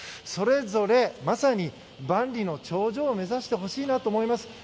それぞれまさに「万里の頂上」を目指してほしいなと思います。